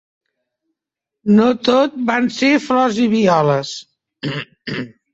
No tot van ser flors i violes.